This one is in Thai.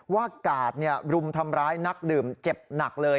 กาดรุมทำร้ายนักดื่มเจ็บหนักเลย